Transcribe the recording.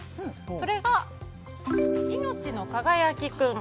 それが、いのちのかがやきくん。